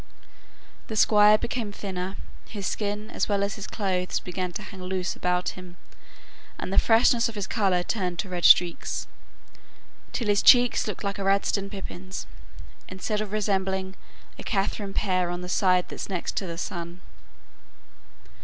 The Squire became thinner, his skin as well as his clothes began to hang loose about him, and the freshness of his colour turned to red streaks, till his cheeks looked like Eardiston pippins, instead of resembling "a Katherine pear on the side that's next the sun."